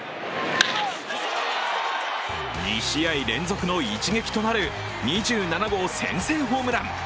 ２試合連続の一撃となる２７号先制ホームラン。